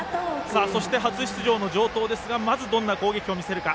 そして、初出場の城東ですがまずどんな攻撃を見せるか。